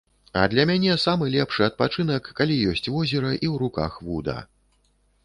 А для мяне самы лепшы адпачынак, калі ёсць возера і ў руках вуда.